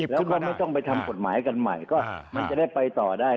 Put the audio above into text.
แล้วมันไม่ต้องไปทำกฎหมายกันใหม่ก็มันจะได้ไปต่อได้